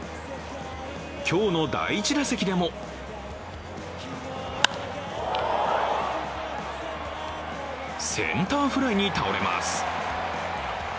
今日の第１打席でもセンターフライに倒れます。